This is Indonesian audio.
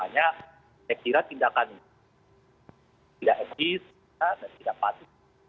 hanya sekiranya tindakan itu tidak agis dan tidak patuh